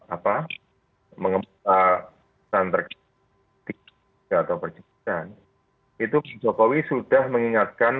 apa pesan terkait tiga atau perjanjian itu jokowi sudah mengingatkan